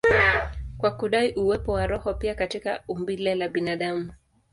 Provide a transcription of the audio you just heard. kwa kudai uwepo wa roho pia katika umbile la binadamu.